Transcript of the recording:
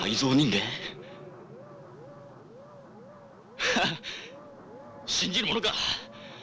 ⁉ハハッ信じるものか！